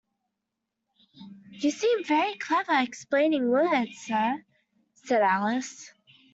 ‘You seem very clever at explaining words, Sir,’ said Alice.